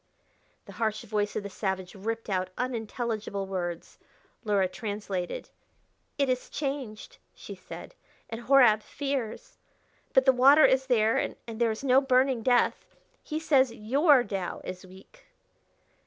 The harsh voice of the savage ripped out unintelligible words. Luhra translated. "It is changed," she said, "and Horab fears. But the water is there, and there is no burning death.... He says your Tao is weak."